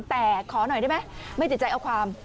แต่ขอหน่อยได้ไหมไม่ติดใจเอาความ